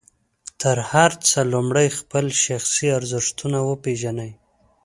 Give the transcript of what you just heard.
تر هر څه لومړی خپل شخصي ارزښتونه وپېژنئ.